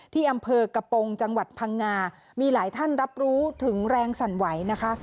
ที่อำเภอกระโปรงจังหวัดพังงามีหลายท่านรับรู้ถึงแรงสั่นไหวนะคะ